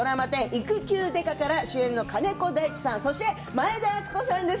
「育休刑事」から主演の金子大地さんそして前田敦子さんです。